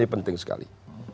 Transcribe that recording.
ini penting sekali